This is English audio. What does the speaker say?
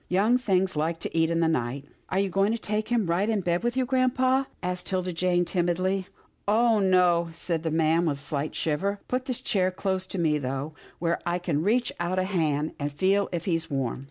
Young things like to eat in the night." " Are you going to take him right in bed with you, grampa?" asked 'Tilda Jane timidly. " Oh ! no," said the old man with a slight shiver. " Put his chair close to me, though, where I can reach out a hand, and feel if he's warm."